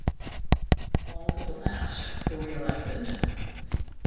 All but the last were reelected.